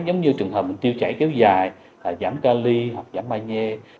giống như trường hợp tiêu chảy kéo dài giảm ca ly hoặc giảm ba nhê